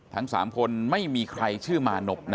ทั้ง๓คนไม่มีใครชื่อมานพนะ